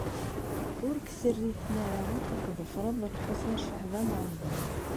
Ur k-terri tmara ad tḍefreḍ Lḥusin n Caɛban u Ṛemḍan.